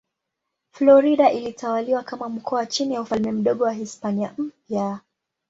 Florida ilitawaliwa kama mkoa chini ya Ufalme Mdogo wa Hispania Mpya.